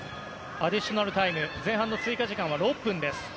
アディショナルタイム前半の追加時間は６分です。